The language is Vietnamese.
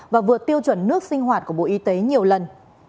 và vượt tiêu chuẩn nước sinh hoạt của bộ y tế nhiều lần